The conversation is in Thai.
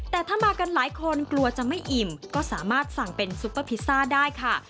แต่ถ้ามากันหลายคนกลัวจะไม่อิ่มก็สามารถสั่งเป็นซุปเปอร์พิซซ่าได้ค่ะ